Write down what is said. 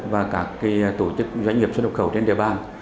và các tổ chức doanh nghiệp xuất nhập khẩu trên địa bàn